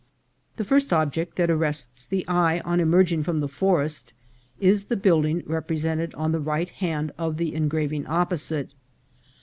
The first object that arrests the eye on emerging from the forest is the building represented on the right hand of the engraving opposite.